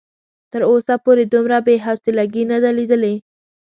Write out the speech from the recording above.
تر اوسه پورې دومره بې حوصلګي نه ده ليدلې.